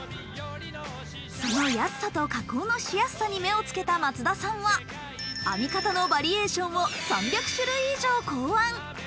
その安さと加工のしやすさに目をつけた松田さんは編み方のバリエーションを３００種類以上考案。